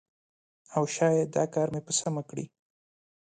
او شاید دا کار مې په سمه کړی